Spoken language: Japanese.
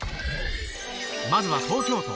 まずは東京都。